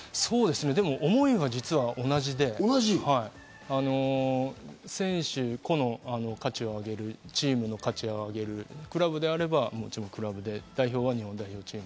思えば、実は同じで、選手、個の価値を上げる、チームの価値を上げる、クラブであればもちろんクラブで、代表であれば代表で。